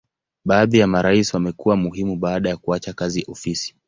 Baadhi ya marais wamekuwa muhimu baada ya kuacha kazi ofisi.